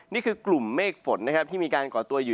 นี่คือกลุ่มเมฆฝนนะครับที่มีการก่อตัวอยู่